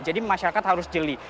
jadi masyarakat harus jeli